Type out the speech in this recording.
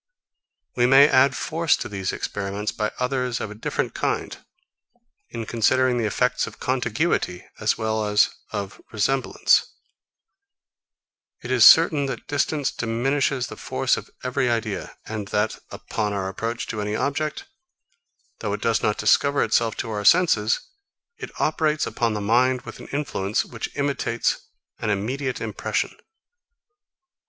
42. We may add force to these experiments by others of a different kind, in considering the effects of contiguity as well as of resemblance. It is certain that distance diminishes the force of every idea, and that, upon our approach to any object; though it does not discover itself to our senses; it operates upon the mind with an influence, which imitates an immediate impression.